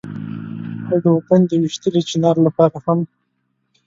او د وطن د ويشتلي چينار لپاره هم